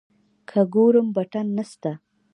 که ګورم بټن نسته.